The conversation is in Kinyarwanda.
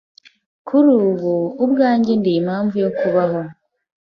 Kuri ubu, ubwanjye ndi impamvu yo kubaho